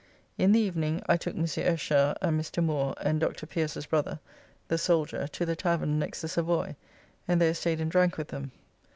In the evening I took Mons. Eschar and Mr. Moore and Dr. Pierce's brother (the souldier) to the tavern next the Savoy, and there staid and drank with them.